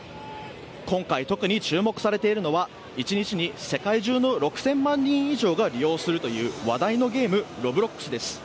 今回特に注目されているのは１日に世界中の６０００万人以上が利用するという話題のゲーム「ロブロックス」です。